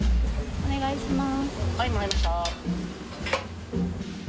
お願いします。